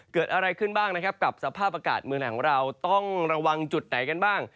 เกิดอะไรขึ้นบ้างนะครับกับสภาพอากาศเมืองไหนของเราต้องระวังจุดไหนกันบ้าง